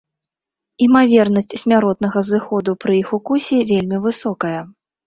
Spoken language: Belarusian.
Імавернасць смяротнага зыходу пры іх укусе вельмі высокая.